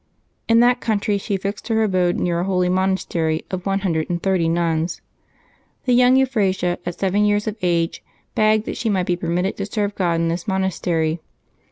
In that country she fixed her abode near a holy monaster}^ of one hundred and thirty nuns. The young Euphrasia, at seven 5'ears of age, begged that she might be permitted to serve God in this monastery.